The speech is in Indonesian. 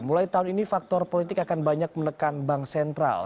mulai tahun ini faktor politik akan banyak menekan bank sentral